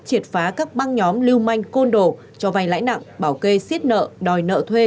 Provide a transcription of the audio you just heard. chiệt phá các băng nhóm lưu manh côn đồ cho vành lãnh nặng bảo kê xiết nợ đòi nợ thuê